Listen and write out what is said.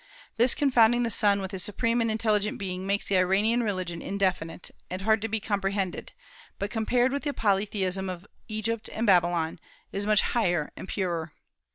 This confounding the sun with a supreme and intelligent being makes the Iranian religion indefinite, and hard to be comprehended; but compared with the polytheism of Egypt and Babylon, it is much higher and purer.